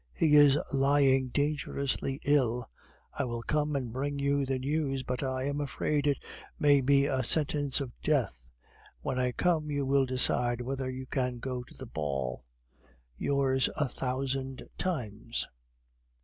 He is lying dangerously ill. I will come and bring you the news, but I am afraid it may be a sentence of death. When I come you can decide whether you can go to the ball. Yours a thousand times."